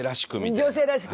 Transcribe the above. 女性らしく。